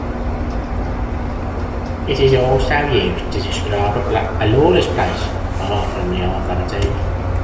It is also used to describe a lawless place far from the authorities.